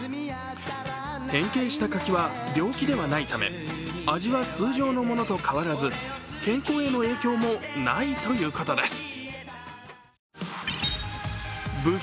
変形した柿は病気ではないため味は通常のものと変わらず健康への影響もないということです。